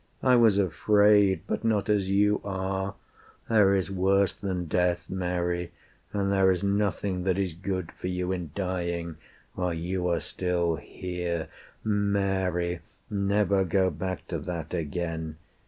I was afraid, But not as you are. There is worse than death, Mary; and there is nothing that is good For you in dying while you are still here. Mary, never go back to that again.